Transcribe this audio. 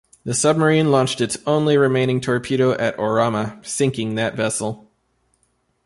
The submarine launched its only remaining torpedo at "Orama", sinking that vessel.